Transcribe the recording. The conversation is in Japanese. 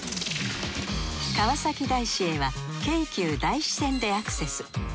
川崎大師へは京急大師線でアクセス。